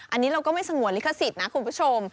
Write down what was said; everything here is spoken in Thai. อันนี้เราก็ไม่สงวนลิขสิทธิ์นะคุณผู้ชม